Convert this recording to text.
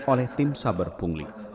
oleh tim saber pungli